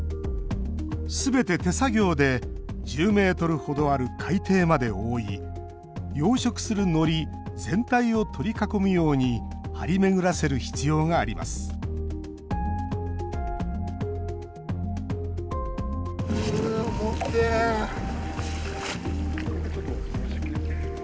すべて手作業で１０ｍほどある海底まで覆い養殖するのり全体を取り囲むように張り巡らせる必要があります重てえ。